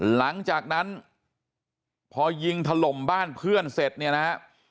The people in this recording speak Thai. หลังจากนั้นพอยิงถล่มบ้านเพื่อนเสร็จเนี่ยนะฮะ